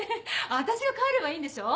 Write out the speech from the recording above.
私が帰ればいいんでしょ？